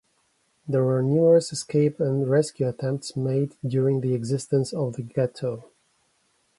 There were numerous escape and rescue attempts made during the existence of the Ghetto.